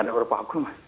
ada beberapa akun mas